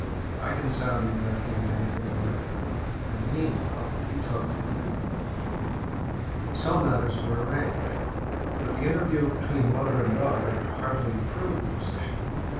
Leave the matter to me. I can sound him without giving anything away, and meanwhile you talk to Edith." So matters were arranged, but the interview between mother and daughter hardly improved the position.